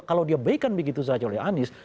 kalau diabaikan begitu saja oleh anies